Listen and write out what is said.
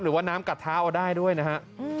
หรือว่าน้ำกัดเท้าเอาได้ด้วยนะฮะ